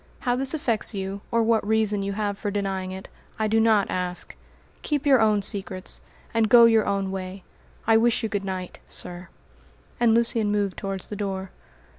How this affects you, or what reason you have for denying it, I do not ask. Keep your own secrets, and go your own way. I wish you good night, sir," and Lucian moved towards the door.